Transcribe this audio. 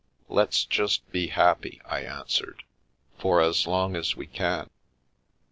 " Let's just be happy," I answered, " for as long as we can.